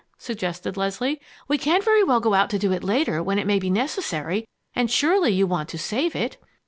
suggested Leslie. "We can't very well go out to do it later when it may be necessary, and surely you want to save it."